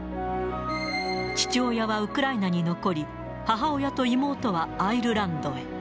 父親はウクライナに残り、母親と妹はアイルランドへ。